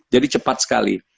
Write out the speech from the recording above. jadi cepat sekali